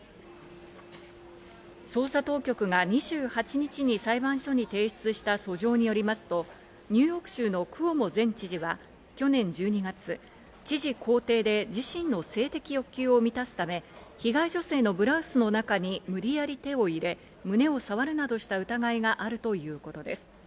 捜査当局が２８日に裁判所に提出した訴状によりますとニューヨーク州のクオモ前知事は去年１２月、知事公邸で自身の性的欲求を満たすため、被害女性のブラウスの中に無理やり手を入れ、胸を触るなどした疑いがあるということです。